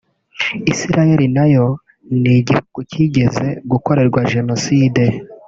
Isiraheli nayo ni iguhugu kigeze gukorerwa Jenoside